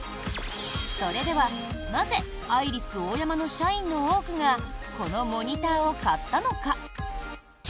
それでは、なぜアイリスオーヤマの社員の多くがこのモニターを買ったのか？